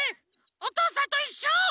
「おとうさんといっしょ」。